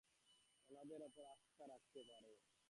ওনাদের ওপর আস্থা রাখতে হবে।